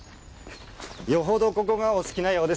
よほどここがお好きなようですね。